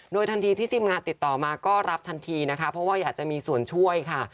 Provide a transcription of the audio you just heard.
โดยทันทีที่ทีมงานติดต่อมาก็รับทันทีนะคะเพราะว่าอยากจะมีส่วนช่วยค่ะ